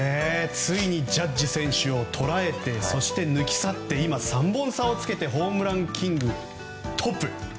ついにジャッジ選手を捉えてそして抜き去って今、３本差をつけてホームランランキングトップ。